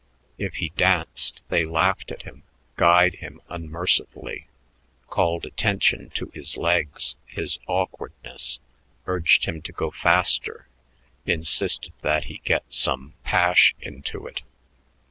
If he danced, they laughed at him, guyed him unmercifully, called attention to his legs, his awkwardness, urged him to go faster, insisted that he get some "pash" into it.